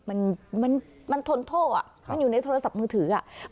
มันมันทนโทษอ่ะมันอยู่ในโทรศัพท์มือถืออ่ะ